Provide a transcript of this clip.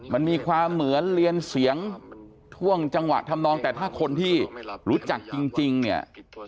มันมีความเหมือนเรียนเสียงท่วงจังหวะทำนองแต่ถ้าคนที่รู้จักจริงเนี่ย